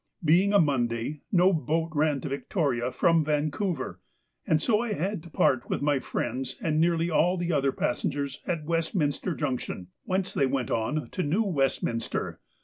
Being a Monday, no boat ran to Victoria from Vancouver, and so I had to part with my friends and nearly all the other passengers at Westminster Junction, whence they went on to New Westminster.